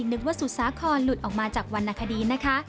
นึกว่าสุสาครหลุดออกมาจากวรรณคดีนะคะ